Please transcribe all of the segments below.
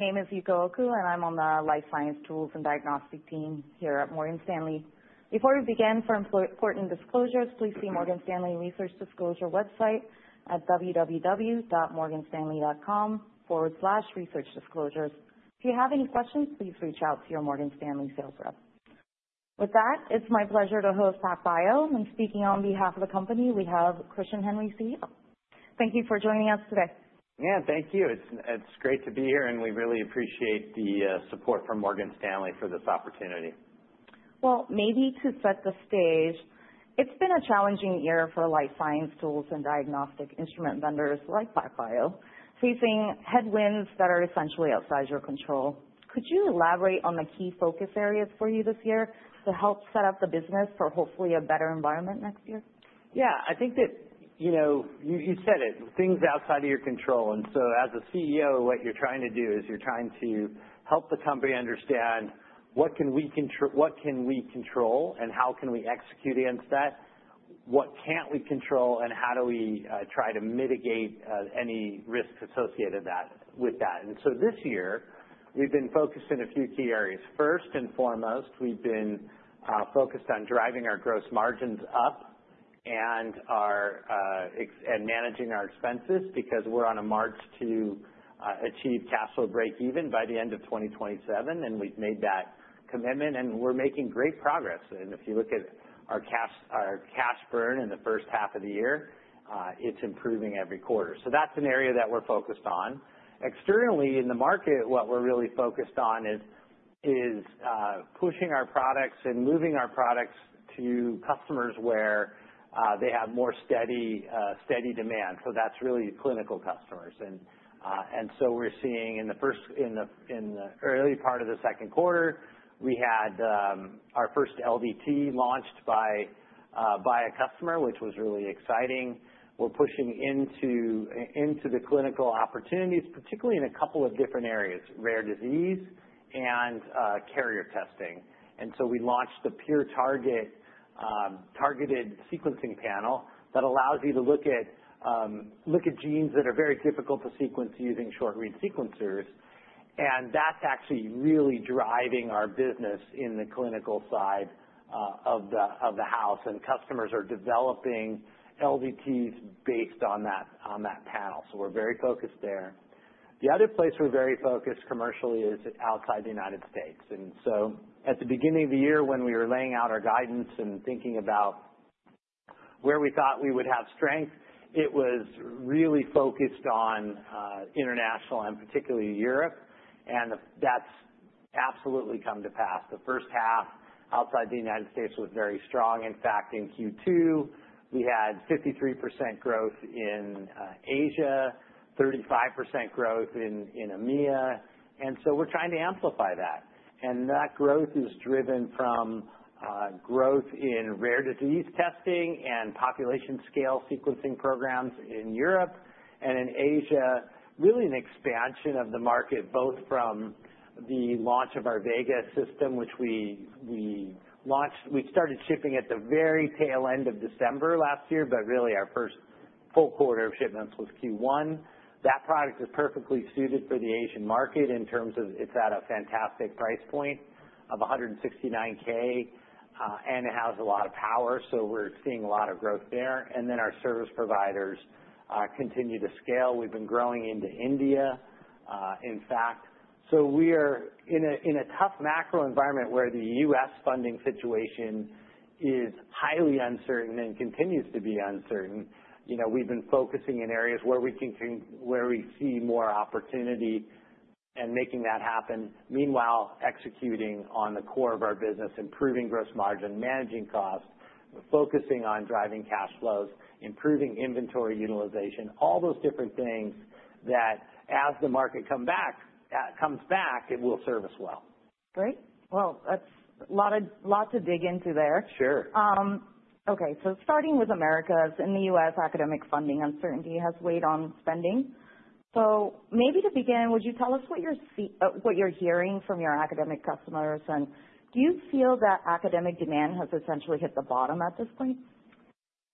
My name is Yuko Oku, and I'm on the Life Science Tools and Diagnostic team here at Morgan Stanley. Before we begin, for important disclosures, please see Morgan Stanley Research Disclosure website at www.morganstanley.com/researchdisclosures. If you have any questions, please reach out to your Morgan Stanley sales rep. With that, it's my pleasure to host PacBio. I'm speaking on behalf of the company. We have Christian Henry, CEO. Thank you for joining us today. Yeah, thank you. It's great to be here, and we really appreciate the support from Morgan Stanley for this opportunity. Maybe to set the stage, it's been a challenging year for life science tools and diagnostic instrument vendors like PacBio, facing headwinds that are essentially outside your control. Could you elaborate on the key focus areas for you this year to help set up the business for hopefully a better environment next year? Yeah, I think that you said it. Things outside of your control. And so, as a CEO, what you're trying to do is you're trying to help the company understand what can we control, and how can we execute against that, what can't we control, and how do we try to mitigate any risks associated with that. And so this year, we've been focused in a few key areas. First and foremost, we've been focused on driving our gross margins up and managing our expenses because we're on a march to achieve cash flow break-even by the end of 2027, and we've made that commitment, and we're making great progress. And if you look at our cash burn in the first half of the year, it's improving every quarter. So that's an area that we're focused on. Externally, in the market, what we're really focused on is pushing our products and moving our products to customers where they have more steady demand. So that's really clinical customers. And so we're seeing in the early part of the second quarter, we had our first LDT launched by a customer, which was really exciting. We're pushing into the clinical opportunities, particularly in a couple of different areas: rare disease and carrier testing. And so we launched the PureTarget targeted sequencing panel that allows you to look at genes that are very difficult to sequence using short-read sequencers. And that's actually really driving our business in the clinical side of the house, and customers are developing LDTs based on that panel. So we're very focused there. The other place we're very focused commercially is outside the United States. And so at the beginning of the year, when we were laying out our guidance and thinking about where we thought we would have strength, it was really focused on international and particularly Europe, and that's absolutely come to pass. The first half outside the United States was very strong. In fact, in Q2, we had 53% growth in Asia, 35% growth in EMEA. And so we're trying to amplify that. And that growth is driven from growth in rare disease testing and population scale sequencing programs in Europe. And in Asia, really an expansion of the market, both from the launch of our Vega system, which we started shipping at the very tail end of December last year, but really our first full quarter of shipments was Q1. That product is perfectly suited for the Asian market in terms of it's at a fantastic price point of $169,000, and it has a lot of power, so we're seeing a lot of growth there. And then our service providers continue to scale. We've been growing into India, in fact. So we are in a tough macro environment where the U.S. funding situation is highly uncertain and continues to be uncertain. We've been focusing in areas where we see more opportunity and making that happen, meanwhile executing on the core of our business, improving gross margin, managing costs, focusing on driving cash flows, improving inventory utilization, all those different things that, as the market comes back, it will serve us well. Great. Well, that's a lot to dig into there. Sure. Okay. So starting with Americas, in the U.S., academic funding uncertainty has weighed on spending. So maybe to begin, would you tell us what you're hearing from your academic customers, and do you feel that academic demand has essentially hit the bottom at this point?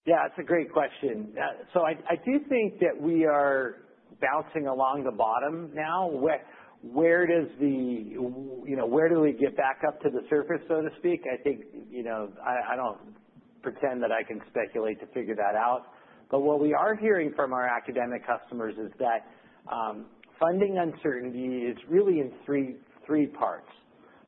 Yeah, that's a great question. So I do think that we are bouncing along the bottom now. Where do we get back up to the surface, so to speak? I don't pretend that I can speculate to figure that out. But what we are hearing from our academic customers is that funding uncertainty is really in three parts.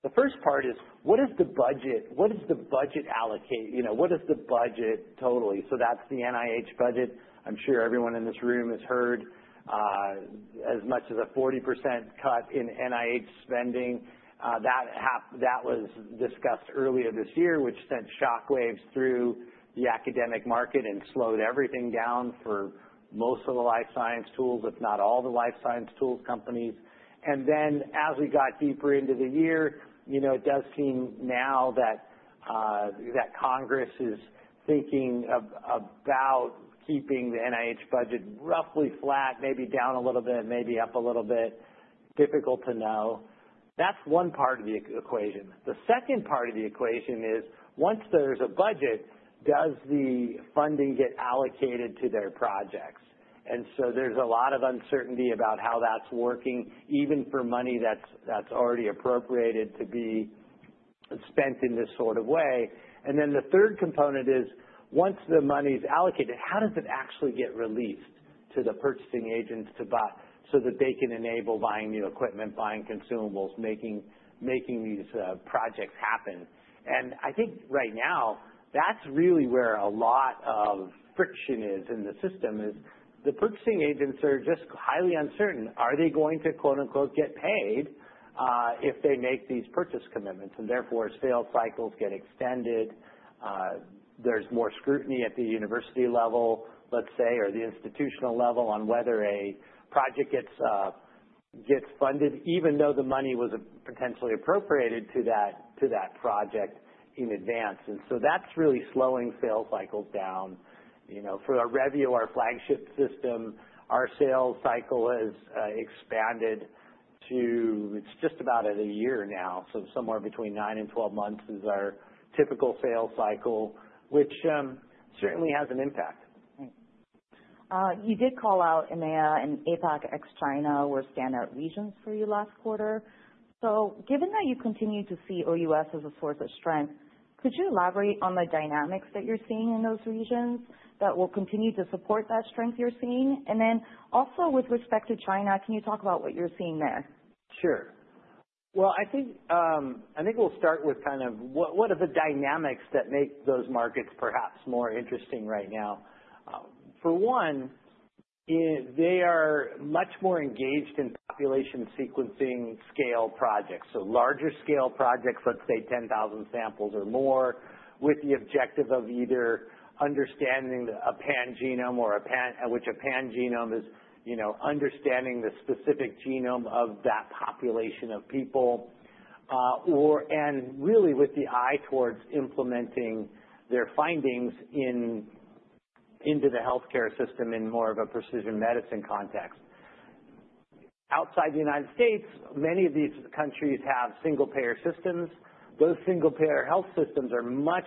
The first part is, what is the budget? What does the budget allocate? What is the budget total? So that's the NIH budget. I'm sure everyone in this room has heard as much as a 40% cut in NIH spending. That was discussed earlier this year, which sent shockwaves through the academic market and slowed everything down for most of the life science tools, if not all the life science tools companies. And then as we got deeper into the year, it does seem now that Congress is thinking about keeping the NIH budget roughly flat, maybe down a little bit, maybe up a little bit. Difficult to know. That's one part of the equation. The second part of the equation is, once there's a budget, does the funding get allocated to their projects? And so there's a lot of uncertainty about how that's working, even for money that's already appropriated to be spent in this sort of way. And then the third component is, once the money's allocated, how does it actually get released to the purchasing agents so that they can enable buying new equipment, buying consumables, making these projects happen? And I think right now, that's really where a lot of friction is in the system, is the purchasing agents are just highly uncertain. Are they going to "get paid" if they make these purchase commitments? And therefore, sales cycles get extended. There's more scrutiny at the university level, let's say, or the institutional level on whether a project gets funded, even though the money was potentially appropriated to that project in advance. And so that's really slowing sales cycles down. For a Revio, our flagship system, our sales cycle has expanded to it's just about a year now, so somewhere between 9 and 12 months is our typical sales cycle, which certainly has an impact. You did call out EMEA and APAC ex-China were standout regions for you last quarter. So given that you continue to see OUS as a source of strength, could you elaborate on the dynamics that you're seeing in those regions that will continue to support that strength you're seeing? And then also with respect to China, can you talk about what you're seeing there? Sure. Well, I think we'll start with kind of what are the dynamics that make those markets perhaps more interesting right now? For one, they are much more engaged in population sequencing scale projects. So larger scale projects, let's say 10,000 samples or more, with the objective of either understanding a pan-genome or which a pan-genome is understanding the specific genome of that population of people, and really with the eye towards implementing their findings into the healthcare system in more of a precision medicine context. Outside the United States, many of these countries have single-payer systems. Those single-payer health systems are much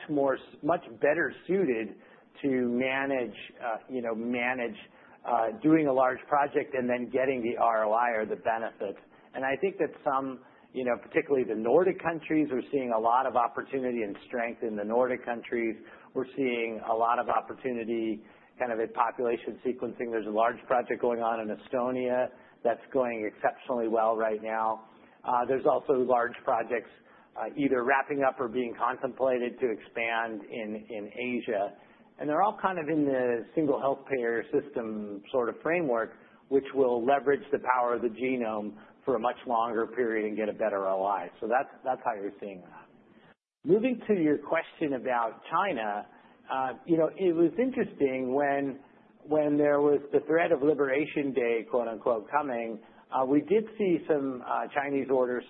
better suited to manage doing a large project and then getting the ROI or the benefits. And I think that some, particularly the Nordic countries, are seeing a lot of opportunity and strength in the Nordic countries. We're seeing a lot of opportunity kind of in population sequencing. There's a large project going on in Estonia that's going exceptionally well right now. There's also large projects either wrapping up or being contemplated to expand in Asia. And they're all kind of in the single healthcare system sort of framework, which will leverage the power of the genome for a much longer period and get a better ROI. So that's how you're seeing that. Moving to your question about China, it was interesting when there was the threat of "liberation day" coming; we did see some Chinese orders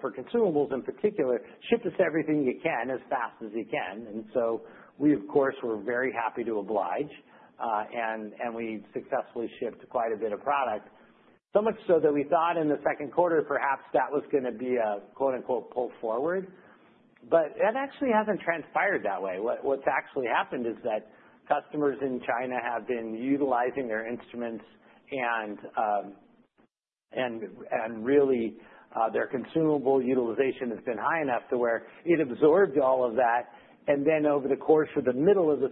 for consumables in particular: ship us everything you can as fast as you can. And so we, of course, were very happy to oblige, and we successfully shipped quite a bit of product, so much so that we thought in the second quarter perhaps that was going to be a "pull forward." But that actually hasn't transpired that way. What's actually happened is that customers in China have been utilizing their instruments, and really their consumable utilization has been high enough to where it absorbed all of that. And then over the course of the middle of this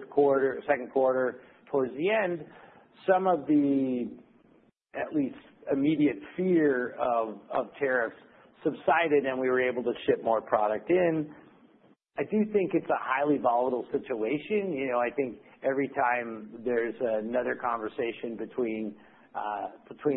second quarter towards the end, some of the at least immediate fear of tariffs subsided, and we were able to ship more product in. I do think it's a highly volatile situation. I think every time there's another conversation between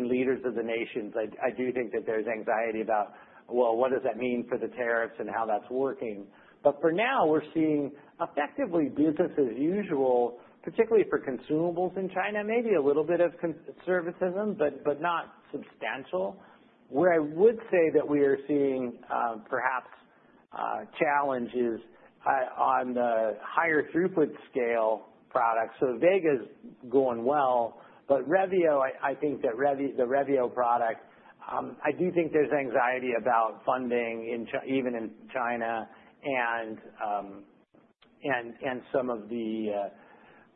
leaders of the nations, I do think that there's anxiety about, well, what does that mean for the tariffs and how that's working? But for now, we're seeing effectively business as usual, particularly for consumables in China, maybe a little bit of conservatism, but not substantial. Where I would say that we are seeing perhaps challenges on the higher throughput scale products. So Vega's going well, but Revio, I think that the Revio product, I do think there's anxiety about funding even in China and some of the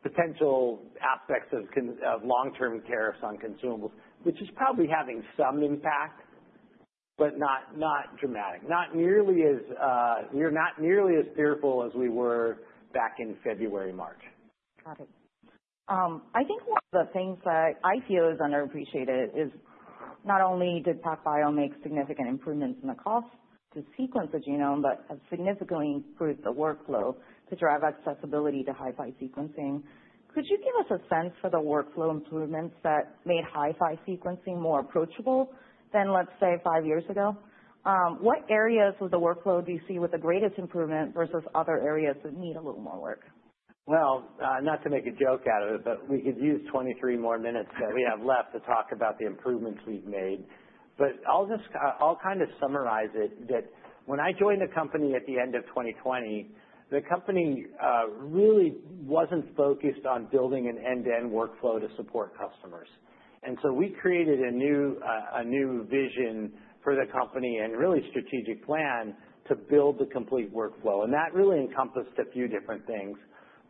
potential aspects of long-term tariffs on consumables, which is probably having some impact, but not dramatic. Not nearly as fearful as we were back in February/March. Got it. I think one of the things that I feel is underappreciated is not only did PacBio make significant improvements in the cost to sequence the genome, but have significantly improved the workflow to drive accessibility to HiFi sequencing. Could you give us a sense for the workflow improvements that made HiFi sequencing more approachable than, let's say, five years ago? What areas of the workflow do you see with the greatest improvement versus other areas that need a little more work? Well, not to make a joke out of it, but we could use 23 more minutes that we have left to talk about the improvements we've made. But I'll kind of summarize it. When I joined the company at the end of 2020, the company really wasn't focused on building an end-to-end workflow to support customers. And so we created a new vision for the company and really strategic plan to build the complete workflow. And that really encompassed a few different things.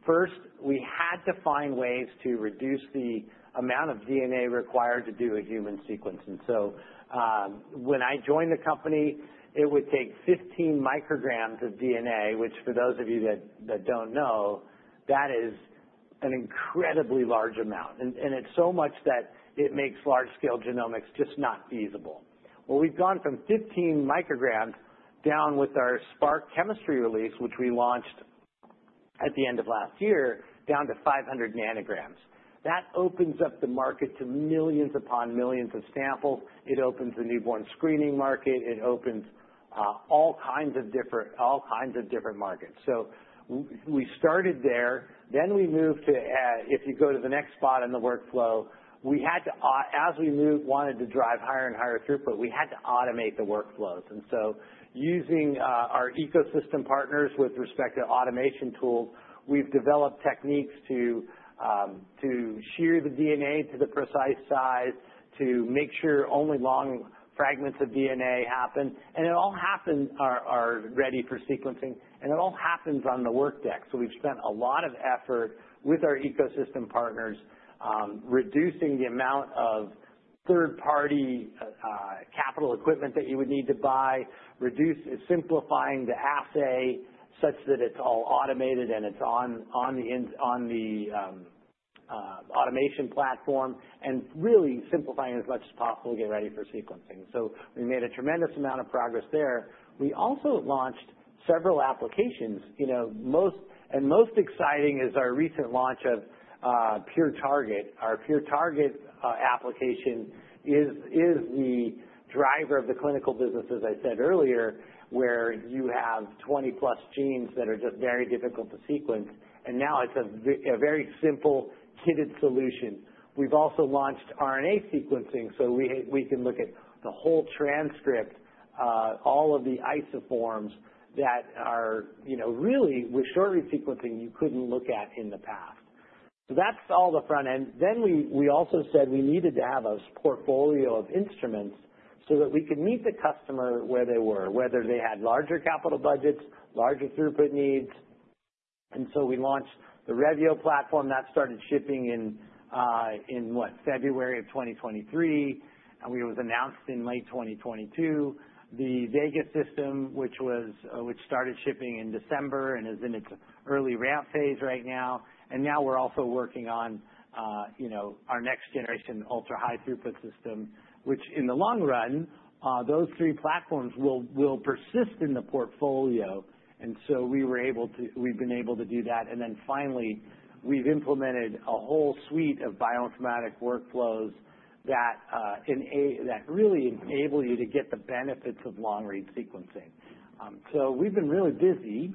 First, we had to find ways to reduce the amount of DNA required to do a human sequence. And so when I joined the company, it would take 15 micrograms of DNA, which for those of you that don't know, that is an incredibly large amount. And it's so much that it makes large-scale genomics just not feasible. Well, we've gone from 15 micrograms down with our SPRQ chemistry release, which we launched at the end of last year, down to 500 nanograms. That opens up the market to millions upon millions of samples. It opens the newborn screening market. It opens all kinds of different markets. So we started there. Then we moved to, if you go to the next spot in the workflow, we had to, as we moved, wanted to drive higher and higher throughput. We had to automate the workflows. And so using our ecosystem partners with respect to automation tools, we've developed techniques to shear the DNA to the precise size, to make sure only long fragments of DNA happen. And it all happens ready for sequencing. And it all happens on the work deck. So we've spent a lot of effort with our ecosystem partners reducing the amount of third-party capital equipment that you would need to buy, simplifying the assay such that it's all automated and it's on the automation platform, and really simplifying as much as possible to get ready for sequencing. So we made a tremendous amount of progress there. We also launched several applications. And most exciting is our recent launch of PureTarget. Our PureTarget application is the driver of the clinical business, as I said earlier, where you have +20 genes that are just very difficult to sequence. And now it's a very simple kitted solution. We've also launched RNA sequencing so we can look at the whole transcript, all of the isoforms that are really with short-read sequencing you couldn't look at in the past. So that's all the front end. Then we also said we needed to have a portfolio of instruments so that we could meet the customer where they were, whether they had larger capital budgets, larger throughput needs. We launched the Revio platform that started shipping in, what, February of 2023. It was announced in late 2022. The Vega system, which started shipping in December and is in its early ramp phase right now. Now we're also working on our next-generation ultra-high throughput system, which in the long run, those three platforms will persist in the portfolio. We were able to, we've been able to do that. Then finally, we've implemented a whole suite of bioinformatic workflows that really enable you to get the benefits of long-read sequencing. We've been really busy.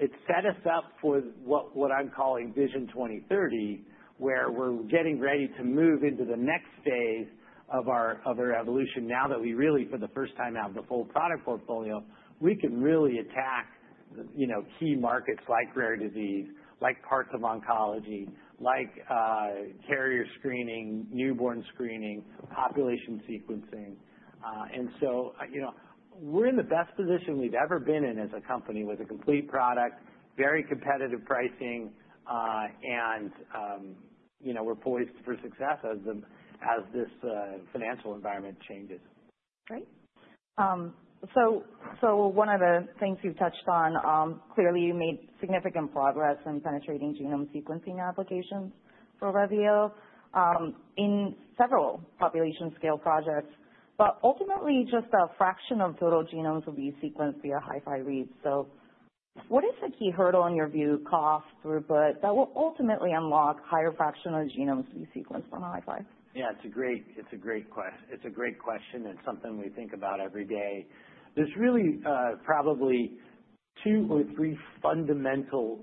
It's set us up for what I'm calling Vision 2030, where we're getting ready to move into the next phase of our evolution. Now that we really, for the first time, have the full product portfolio, we can really attack key markets like rare disease, like parts of oncology, like carrier screening, newborn screening, population sequencing. And so we're in the best position we've ever been in as a company with a complete product, very competitive pricing, and we're poised for success as this financial environment changes. Great. So one of the things you've touched on, clearly you made significant progpress in penetrating genome sequencing applications for Revio in several population-scale projects, but ultimately just a fraction of total genomes will be sequenced via HiFi reads. So what is the key hurdle in your view, cost, throughput, that will ultimately unlock a higher fraction of genomes to be sequenced from HiFi? Yeah, it's a great question. It's a great question and something we think about every day. There's really probably two or three fundamental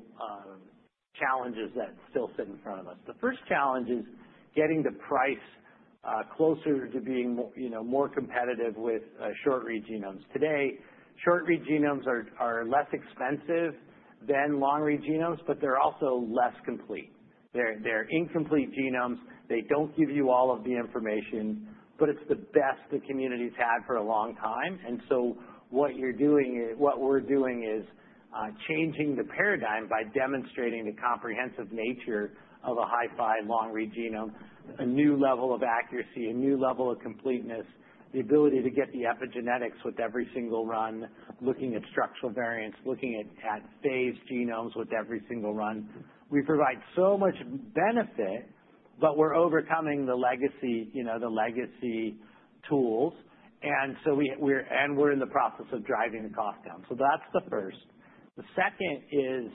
challenges that still sit in front of us. The first challenge is getting the price closer to being more competitive with short-read genomes. Today, short-read genomes are less expensive than long-read genomes, but they're also less complete. They're incomplete genomes. They don't give you all of the information, but it's the best the community's had for a long time. And so what you're doing, what we're doing is changing the paradigm by demonstrating the comprehensive nature of a HiFi long-read genome, a new level of accuracy, a new level of completeness, the ability to get the epigenetics with every single run, looking at structural variants, looking at phased genomes with every single run. We provide so much benefit, but we're overcoming the legacy tools. We're in the process of driving the cost down. That's the first. The second is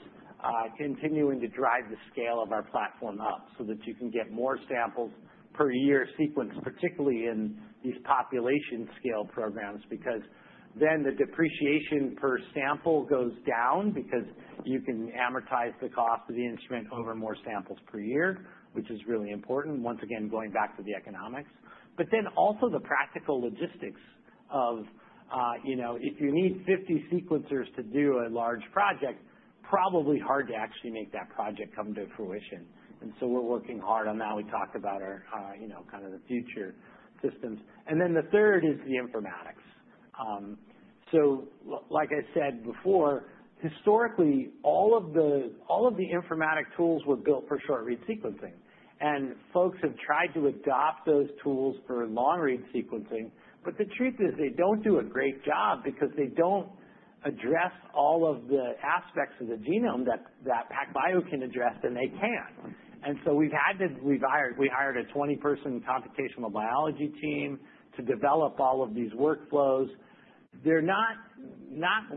continuing to drive the scale of our platform up so that you can get more samples per year sequenced, particularly in these population-scale programs, because then the depreciation per sample goes down because you can amortize the cost of the instrument over more samples per year, which is really important, once again going back to the economics. Then also the practical logistics of if you need 50 sequencers to do a large project, probably hard to actually make that project come to fruition. So we're working hard on that. We talked about kind of the future systems. Then the third is the informatics. Like I said before, historically, all of the informatic tools were built for short-read sequencing. And folks have tried to adopt those tools for long-read sequencing, but the truth is they don't do a great job because they don't address all of the aspects of the genome that PacBio can address, and they can't. And so we've hired a 20-person computational biology team to develop all of these workflows. The next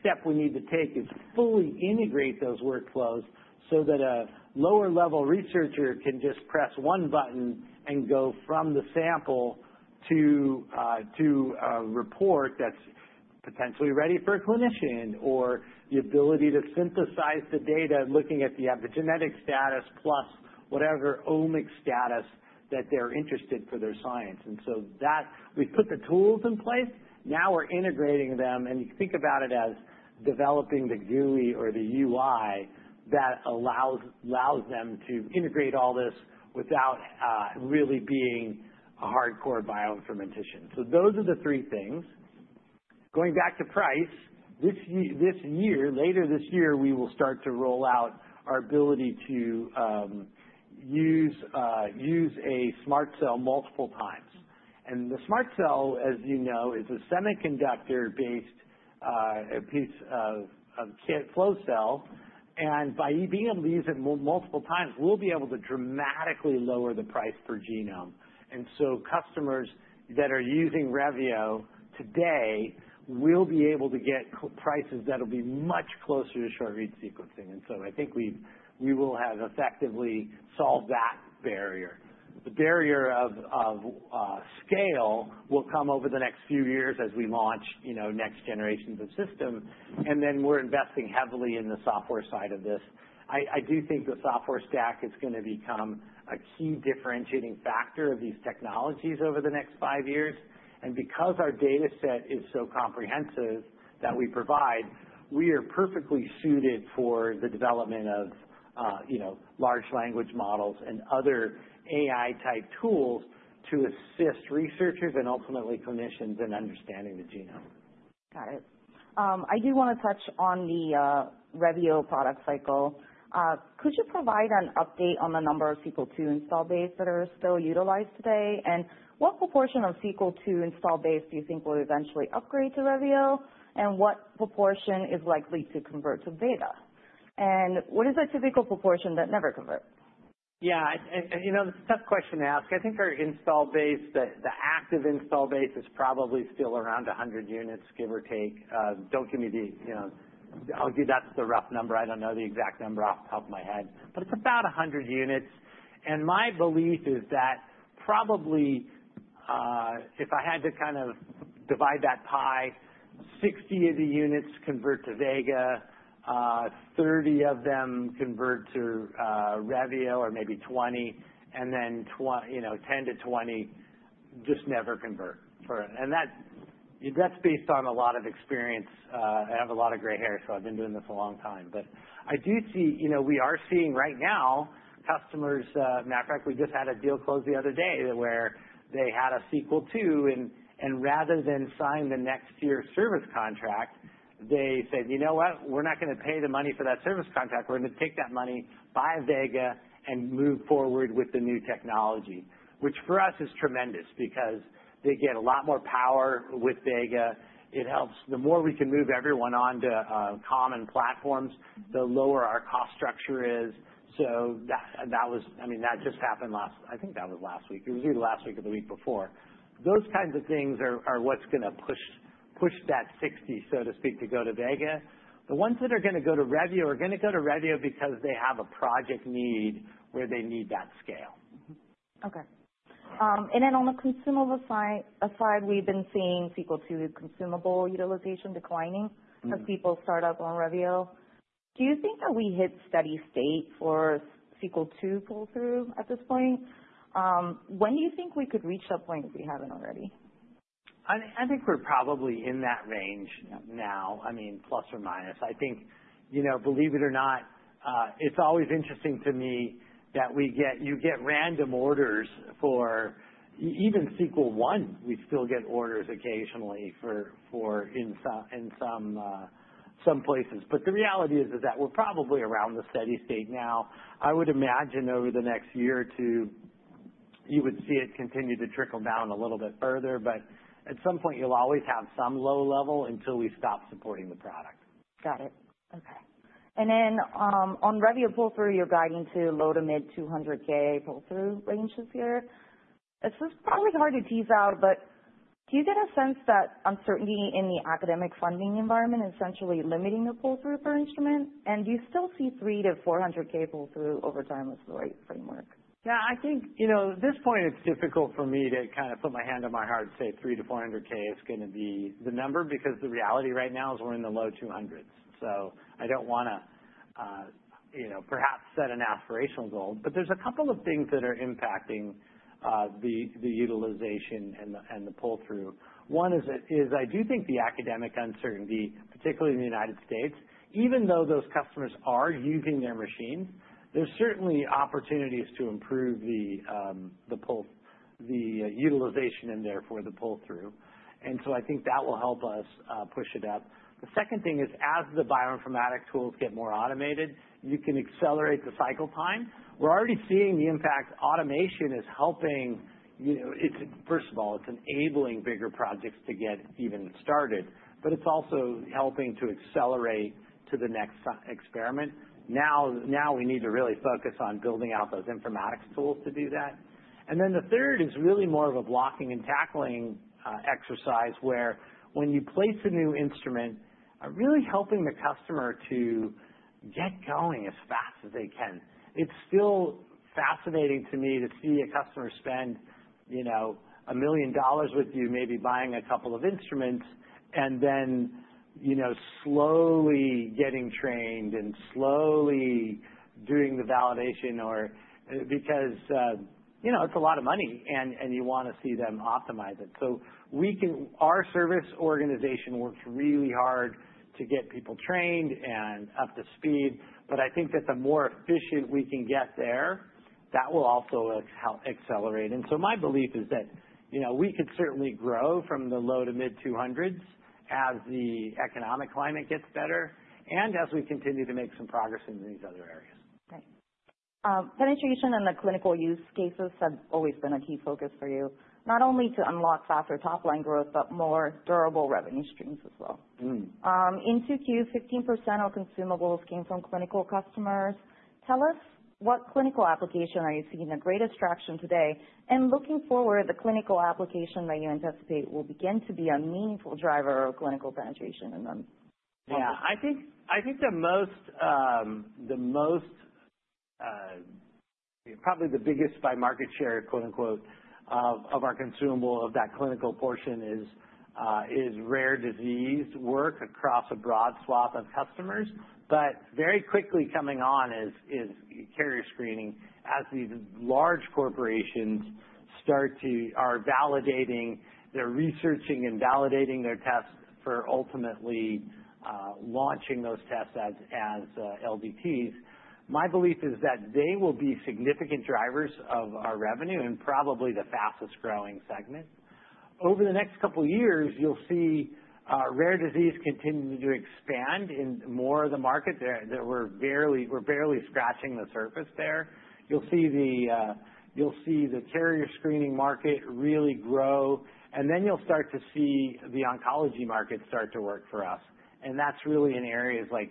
step we need to take is fully integrate those workflows so that a lower-level researcher can just press one button and go from the sample to a report that's potentially ready for a clinician or the ability to synthesize the data looking at the epigenetic status plus whatever omic status that they're interested for their science. And so we've put the tools in place. Now we're integrating them. And you think about it as developing the GUI or the UI that allows them to integrate all this without really being a hardcore bioinformatician. Those are the three things. Going back to price, this year, later this year, we will start to roll out our ability to use a SMRT Cell multiple times. And the SMRT Cell, as you know, is a semiconductor-based piece of flow cell. And by being able to use it multiple times, we'll be able to dramatically lower the price per genome. And so customers that are using Revio today will be able to get prices that will be much closer to short-read sequencing. And so I think we will have effectively solved that barrier. The barrier of scale will come over the next few years as we launch next generations of systems. And then we're investing heavily in the software side of this. I do think the software stack is going to become a key differentiating factor of these technologies over the next five years. Because our dataset is so comprehensive that we provide, we are perfectly suited for the development of large language models and other AI-type tools to assist researchers and ultimately clinicians in understanding the genome. Got it. I do want to touch on the Revio product cycle. Could you provide an update on the number of Sequel II installed bases that are still utilized today? And what proportion of Sequel II installed bases do you think will eventually upgrade to Revio? And what proportion is likely to convert to Vega? And what is the typical proportion that never converts? Yeah. It's a tough question to ask. I think our installed base, the active installed base is probably still around 100 units, give or take. Don't give me that. I'll give you that's the rough number. I don't know the exact number off the top of my head. But it's about 100 units, and my belief is that probably if I had to kind of divide that pie, 60 of the units convert to Vega, 30 of them convert to Revio, or maybe 20, and then 10 to 20 just never convert. That's based on a lot of experience. I have a lot of gray hair, so I've been doing this a long time. But I do see we are seeing right now customers, matter of fact, we just had a deal close the other day where they had a Sequel II, and rather than sign the next-year service contract, they said, "You know what? We're not going to pay the money for that service contract. We're going to take that money, buy Vega, and move forward with the new technology," which for us is tremendous because they get a lot more power with Vega. The more we can move everyone on to common platforms, the lower our cost structure is. So that was, I mean, that just happened last, I think that was last week. It was either last week or the week before. Those kinds of things are what's going to push that 60, so to speak, to go to Vega. The ones that are going to go to Revio are going to go to Revio because they have a project need where they need that scale. Okay. And then on the consumable side, we've been seeing Sequel II consumable utilization declining as people start up on Revio. Do you think that we hit steady state for Sequel II pull-through at this point? When do you think we could reach that point if we haven't already? I think we're probably in that range now, I mean, plus or minus. I think, believe it or not, it's always interesting to me that you get random orders for even Sequel I. We still get orders occasionally for in some places. But the reality is that we're probably around the steady state now. I would imagine over the next year or two, you would see it continue to trickle down a little bit further. But at some point, you'll always have some low level until we stop supporting the product. Got it. Okay. And then on Revio pull-through, you're guiding to low to mid-$200,000 pull-through ranges here. This is probably hard to tease out, but do you get a sense that uncertainty in the academic funding environment is essentially limiting the pull-through per instrument? And do you still see $300,000 to $400,000 pull-through over time as the right framework? Yeah. I think at this point, it's difficult for me to kind of put my hand on my heart and say $300,000-$400,000 is going to be the number because the reality right now is we're in the low 200s. So I don't want to perhaps set an aspirational goal. But there's a couple of things that are impacting the utilization and the pull-through. One is I do think the academic uncertainty, particularly in the United States, even though those customers are using their machines, there's certainly opportunities to improve the utilization in there for the pull-through. And so I think that will help us push it up. The second thing is, as the bioinformatic tools get more automated, you can accelerate the cycle time. We're already seeing the impact. Automation is helping. First of all, it's enabling bigger projects to get even started, but it's also helping to accelerate to the next experiment. Now we need to really focus on building out those informatics tools to do that. And then the third is really more of a blocking and tackling exercise where when you place a new instrument, really helping the customer to get going as fast as they can. It's still fascinating to me to see a customer spend $1 million with you, maybe buying a couple of instruments, and then slowly getting trained and slowly doing the validation because it's a lot of money, and you want to see them optimize it. So our service organization works really hard to get people trained and up to speed. But I think that the more efficient we can get there, that will also accelerate. My belief is that we could certainly grow from the low to mid-200s as the economic climate gets better and as we continue to make some progress in these other areas. Right. Penetration and the clinical use cases have always been a key focus for you, not only to unlock faster top-line growth, but more durable revenue streams as well. In Q3, 15% of consumables came from clinical customers. Tell us what clinical application are you seeing the greatest traction today? And looking forward, the clinical application that you anticipate will begin to be a meaningful driver of clinical penetration in them. Yeah. I think the most, -- probably the biggest by market share, quote unquote, of our consumable, of that clinical portion is rare disease work across a broad swath of customers. But very quickly coming on is carrier screening as these large corporations are validating, they're researching and validating their tests for ultimately launching those tests as LDTs. My belief is that they will be significant drivers of our revenue and probably the fastest growing segment. Over the next couple of years, you'll see rare disease continue to expand in more of the market. We're barely scratching the surface there. You'll see the carrier screening market really grow. And then you'll start to see the oncology market start to work for us. And that's really in areas like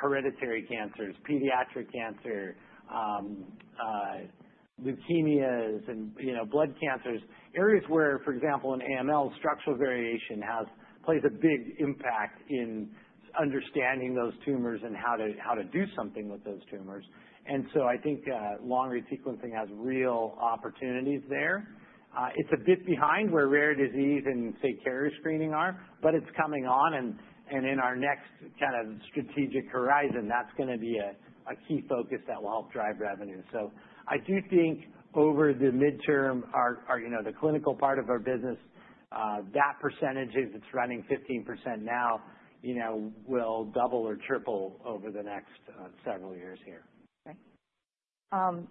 hereditary cancers, pediatric cancer, leukemias, and blood cancers. Areas where, for example, an AML structural variation plays a big impact in understanding those tumors and how to do something with those tumors. And so I think long-read sequencing has real opportunities there. It's a bit behind where rare disease and, say, carrier screening are, but it's coming on. And in our next kind of strategic horizon, that's going to be a key focus that will help drive revenue. I do think over the midterm, the clinical part of our business, that percentage that's running 15% now will double or triple over the next several years here. Right.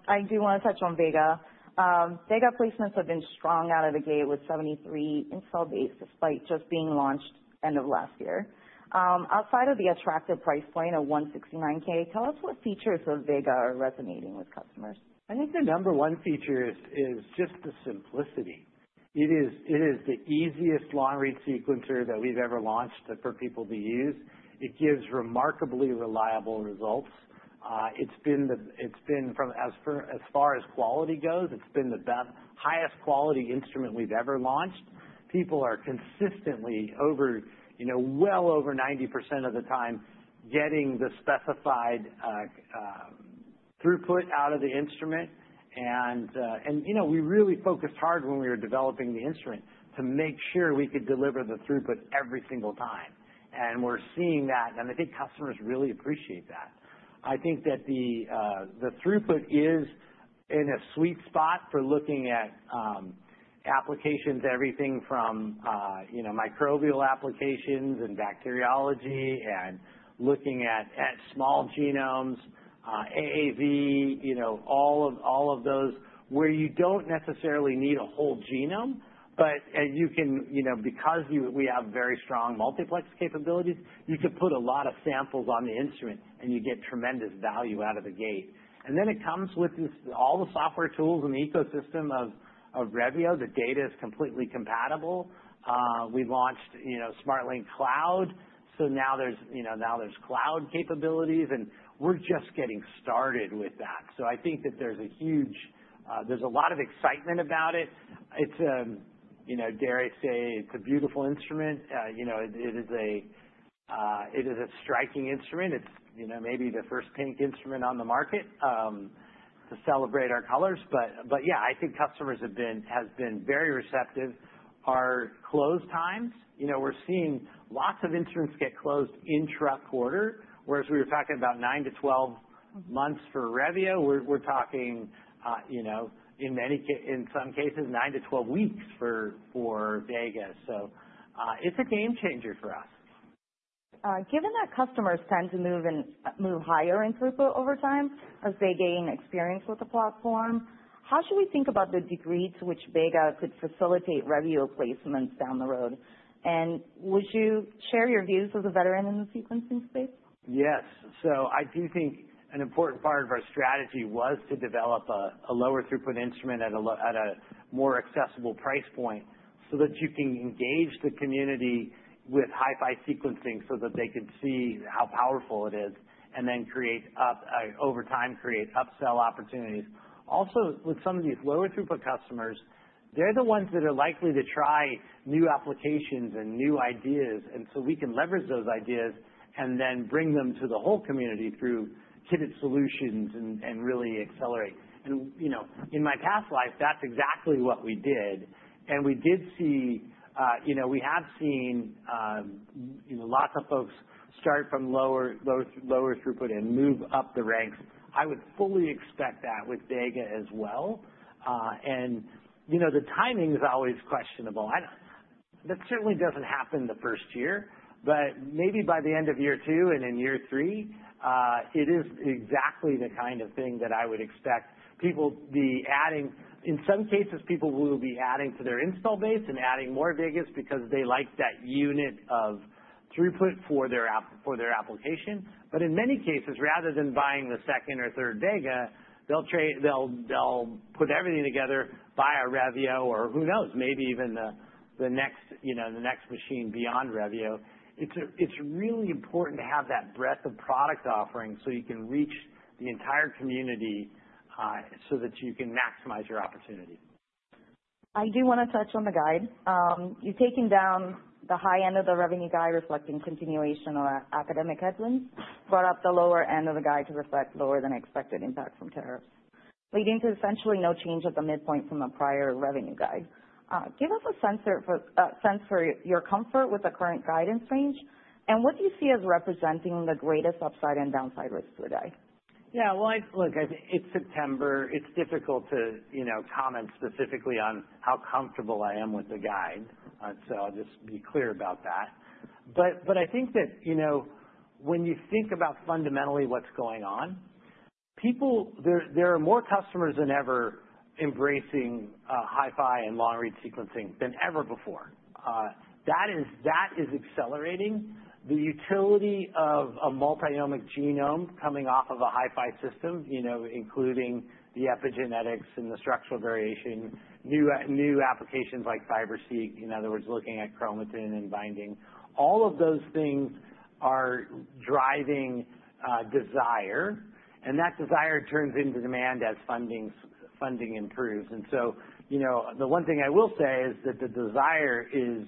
I do want to touch on Vega. Vega placements have been strong out of the gate with 73 installed bases despite just being launched end of last year. Outside of the attractive price point of $169,000, tell us what features of Vega are resonating with customers. I think the number one feature is just the simplicity. It is the easiest long-read sequencer that we've ever launched for people to use. It gives remarkably reliable results. It's been, as far as quality goes, it's been the highest quality instrument we've ever launched. People are consistently, well over 90% of the time, getting the specified throughput out of the instrument, and we really focused hard when we were developing the instrument to make sure we could deliver the throughput every single time, and we're seeing that, and I think customers really appreciate that. I think that the throughput is in a sweet spot for looking at applications, everything from microbial applications and bacteriology and looking at small genomes, AAV, all of those where you don't necessarily need a whole genome. But because we have very strong multiplex capabilities, you could put a lot of samples on the instrument, and you get tremendous value out of the gate. And then it comes with all the software tools and the ecosystem of Revio. The data is completely compatible. We launched SMRT Link Cloud. So now there's cloud capabilities. And we're just getting started with that. I think that there's a huge. There's a lot of excitement about it. Dare I say it's a beautiful instrument. It is a striking instrument. It's maybe the first pink instrument on the market to celebrate our colors. But yeah, I think customers have been very receptive. Our close times, we're seeing lots of instruments get closed in this quarter, whereas we were talking about 9 to 12 months for Revio. We're talking, in some cases, 9 to 12 weeks for Vega. So it's a game changer for us. Given that customers tend to move higher in throughput over time as they gain experience with the platform, how should we think about the degree to which Vega could facilitate Revio placements down the road? And would you share your views as a veteran in the sequencing space? Yes. I do think an important part of our strategy was to develop a lower throughput instrument at a more accessible price point so that you can engage the community with HiFi sequencing so that they could see how powerful it is and then, over time, create upsell opportunities. Also, with some of these lower throughput customers, they're the ones that are likely to try new applications and new ideas. And so we can leverage those ideas and then bring them to the whole community through kitted solutions and really accelerate. And in my past life, that's exactly what we did. And we did see. We have seen lots of folks start from lower throughput and move up the ranks. I would fully expect that with Vega as well. And the timing is always questionable. That certainly doesn't happen the first year. But maybe by the end of year two and in year three, it is exactly the kind of thing that I would expect people to be adding. In some cases, people will be adding to their installed base and adding more Vegas because they like that unit of throughput for their application. But in many cases, rather than buying the second or third Vega, they'll put everything together, buy a Revio, or who knows, maybe even the next machine beyond Revio. It's really important to have that breadth of product offering so you can reach the entire community so that you can maximize your opportunity. I do want to touch on the guide. You've taken down the high end of the revenue guide reflecting continuation of academic headwinds, brought up the lower end of the guide to reflect lower-than-expected impact from tariffs, leading to essentially no change at the midpoint from the prior revenue guide. Give us a sense for your comfort with the current guidance range, and what do you see as representing the greatest upside and downside risk today? Yeah. Well, look, it's September. It's difficult to comment specifically on how comfortable I am with the guide. I'll just be clear about that. But I think that when you think about fundamentally what's going on, there are more customers than ever embracing HiFi and long-read sequencing than ever before. That is accelerating. The utility of a multi-omics genome coming off of a HiFi system, including the epigenetics and the structural variation, new applications like Fiber-seq, in other words, looking at chromatin and binding, all of those things are driving desire. And that desire turns into demand as funding improves. And so the one thing I will say is that the desire is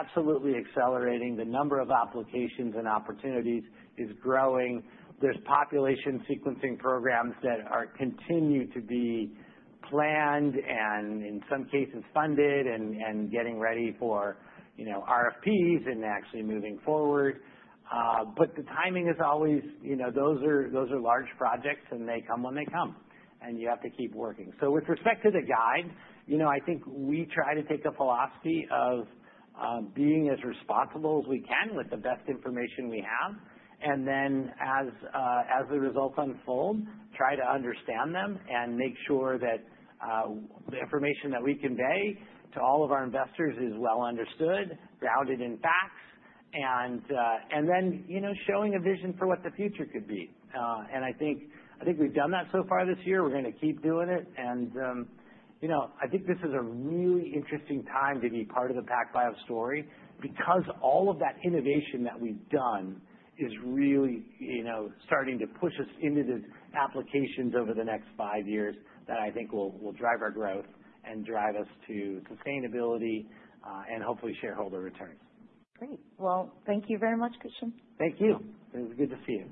absolutely accelerating. The number of applications and opportunities is growing. There's population sequencing programs that continue to be planned and, in some cases, funded and getting ready for RFPs and actually moving forward. But the timing is always. Those are large projects, and they come when they come. And you have to keep working. So with respect to the guide, I think we try to take a philosophy of being as responsible as we can with the best information we have. And then, as the results unfold, try to understand them and make sure that the information that we convey to all of our investors is well understood, grounded in facts, and then showing a vision for what the future could be. And I think we've done that so far this year. We're going to keep doing it. I think this is a really interesting time to be part of the PacBio story because all of that innovation that we've done is really starting to push us into the applications over the next five years that I think will drive our growth and drive us to sustainability and hopefully shareholder returns. Great. Well, thank you very much, Christian. Thank you. It was good to see you.